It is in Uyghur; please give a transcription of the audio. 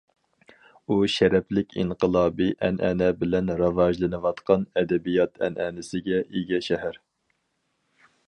ئۇ شەرەپلىك ئىنقىلابىي ئەنئەنە بىلەن راۋاجلىنىۋاتقان ئەدەبىيات ئەنئەنىسىگە ئىگە شەھەر.